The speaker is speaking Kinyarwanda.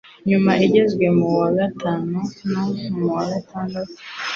nyuma igezwe mu wa gatatu no mu wa gatandatu.